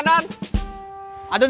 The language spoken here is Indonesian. tidak ada yang bisa ikut senam